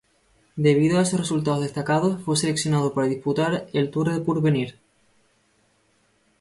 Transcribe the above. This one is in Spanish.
Debido a esos resultados destacados fue seleccionado para disputar el Tour del Porvenir.